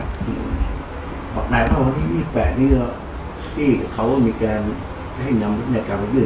อ๋อนายบอกว่าที่อีกแปดนี้ที่เขามีการให้นำพินัยกรรมไปยื่น